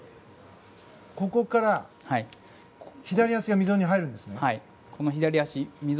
ここから左足が溝に入るんですね。